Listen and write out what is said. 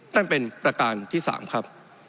นั่นเป็นประการที่๓ครับ